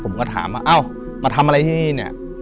ผมก็ถามว่าเอ้ามาทำอะไรที่นี่เนี่ย